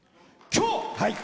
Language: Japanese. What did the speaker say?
今日！